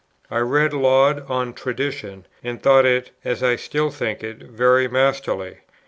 I read Laud on Tradition, and thought it (as I still think it) very masterly.